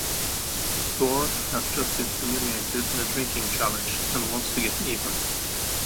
Thor has just been humiliated in a drinking challenge and wants to get even.